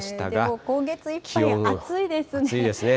でも今月いっぱい、暑いですね。